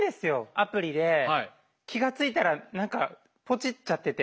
アプリで気が付いたら何かポチっちゃってて。